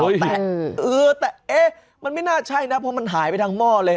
แตะเออแต่เอ๊ะมันไม่น่าใช่นะเพราะมันหายไปทางหม้อเลย